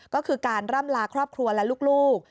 ก็คือการร่ำลาครอบครัวและลูก